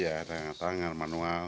iya dengan tangan manual